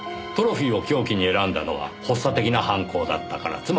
トロフィーを凶器に選んだのは発作的な犯行だったから。